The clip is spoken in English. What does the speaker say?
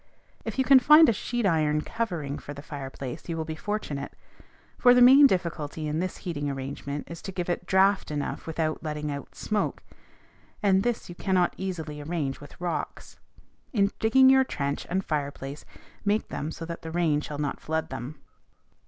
If you can find a sheet iron covering for the fireplace, you will be fortunate; for the main difficulty in this heating arrangement is to give it draught enough without letting out smoke, and this you cannot easily arrange with rocks. In digging your trench and fireplace, make them so that the rain shall not flood them.